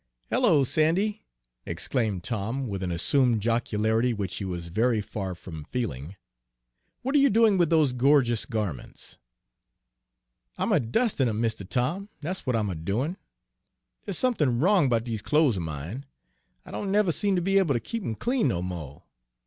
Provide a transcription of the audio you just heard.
"Hello, Sandy," exclaimed Tom, with an assumed jocularity which he was very far from feeling, "what are you doing with those gorgeous garments?" "I'm a dustin' of 'em, Mistuh Tom, dat's w'at I'm a doin'. Dere's somethin' wrong 'bout dese clo's er mine I don' never seem ter be able ter keep 'em clean no mo'.